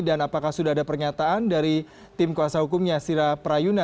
dan apakah sudah ada pernyataan dari tim kuasa hukumnya sirah prayuna